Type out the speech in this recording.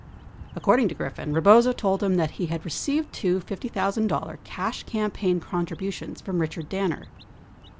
According to Griffin, Rebozo told him that he had re ceived two $50,000 cash campaign contributions from Richard Danner.